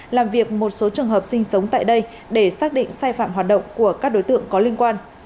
làm việc một số trường hợp sinh sống tại đây để xác định sai phạm hoạt động của các đối tượng có liên quan